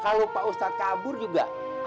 kalau pak ustadz kabur juga